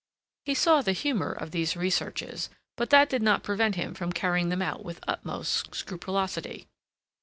He saw the humor of these researches, but that did not prevent him from carrying them out with the utmost scrupulosity.